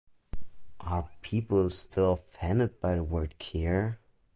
Are people still offended by the word queer?